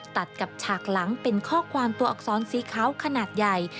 ตัดกับฉากหลังเป็นข้อความตัวอักษรสีขาวขนาดใหญ่